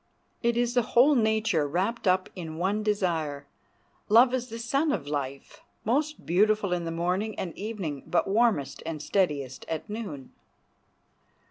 It is the whole nature wrapped up in one desire. Love is the sun of life, most beautiful in the morning and evening, but warmest and steadiest at noon.